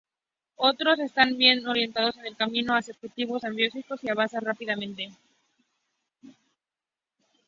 Otros están bien orientados en el camino hacia objetivos ambiciosos, y avanzan rápidamente.